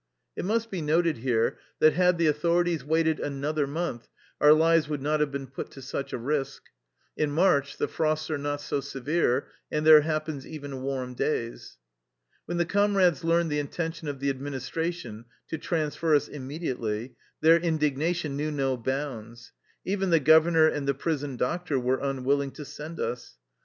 It must be noted here that had the authorities waited another month our lives would not have been put to such a risk: in March the frosts are not so severe, and there happens even warm days. When the comrades learned the intention of the administration to transfer us immediately their indignation knew no bounds. Even the governor and the prison doctor were unwilling to send us.